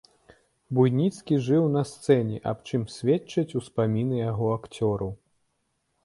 Буйніцкі жыў на сцэне, аб чым сведчаць успаміны яго акцёраў.